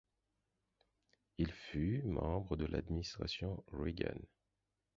Il fut membre de l'Administration Reagan.